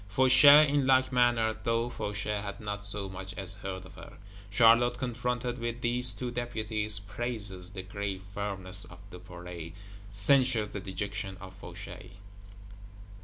Fauchet, in like manner; though Fauchet had not so much as heard of her. Charlotte, confronted with these two Deputies, praises the grave firmness of Duperret, censures the dejection of Fauchet.